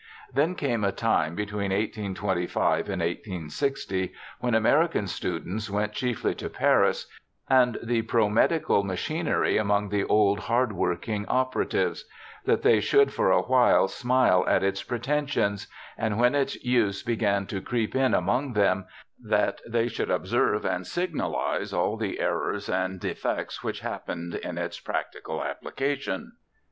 Then came a time between 1825 and i860 when American students went chiefly to Paris, and the pro 6o BIOGRAPHICAL ESSAYS medical machinery among the old, hard working opera tives ; that they should for a while smile at its preten sions, and when its use began to creep in among them, that they should observe and signalize all the errors and defects which happened in its practical application.'